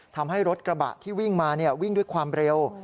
ทำให้รถกระบะที่วิ่งมาวิ่งด้วยความเร็ว